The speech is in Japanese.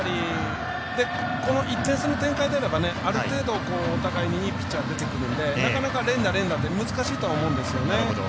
この１点差の展開であればある程度、お互いにいいピッチャー出てくるのでなかなか連打、連打って難しいと思うんですね。